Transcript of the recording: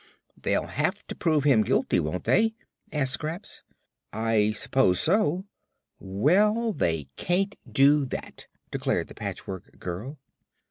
"They'll have to prove him guilty, won't they?'' asked Scraps. "I s'pose so." "Well, they can't do that," declared the Patchwork Girl.